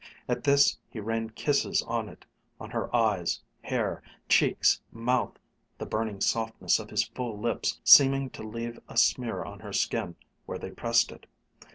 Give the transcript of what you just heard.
At this he rained kisses on it, on her eyes, hair, cheeks, mouth, the burning softness of his full lips seeming to leave a smear on her skin where they pressed it.